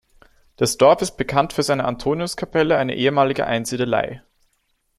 Das Dorf ist bekannt für seine Antoniuskapelle, eine ehemalige Einsiedelei.